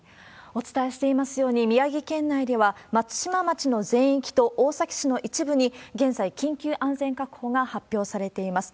お伝えしていますように、宮城県内では、松島町の全域と大崎市の一部に現在、緊急安全確保が発表されています。